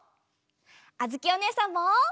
あづきおねえさんも！